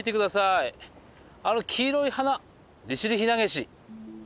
あの黄色い花リシリヒナゲシ。